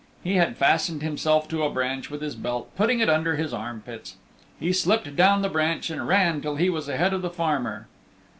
He had fastened himself to a branch with his belt, putting it under his arm pits. He slipped down from the branch and ran till he was ahead of the farmer.